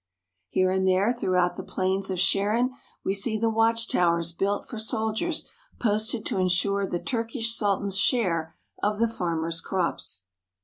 Here and there throughout the plains of Sharon we see the watch towers built for soldiers posted to en sure the Turkish Sultan's share of the farmers' crops.